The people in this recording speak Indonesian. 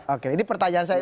oke ini pertanyaan saya